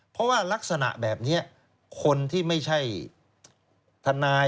เพราะว่ารักษณะแบบนี้คนที่ไม่ใช่ทนาย